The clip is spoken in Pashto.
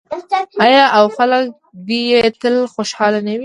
آیا او خلک دې یې تل خوشحاله نه وي؟